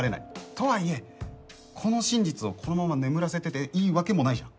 とはいえこの真実をこのまま眠らせてていいわけもないじゃん。